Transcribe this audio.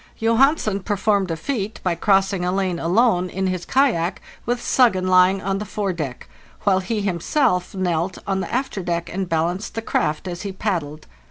Johansen performed a feat by crossing a lane alone in his kayak, with 'Suggen' lying on the fore deck, while he himself knelt on the after deck and balanced the craft as he paddled.